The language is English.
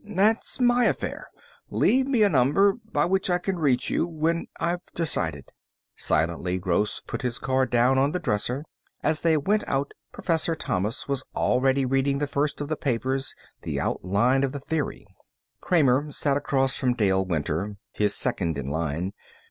"That's my affair. Leave me a number by which I can reach you when I've decided." Silently, Gross put his card down on the dresser. As they went out Professor Thomas was already reading the first of the papers, the outline of the theory. Kramer sat across from Dale Winter, his second in line.